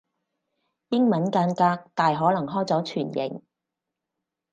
英文間隔大可能開咗全形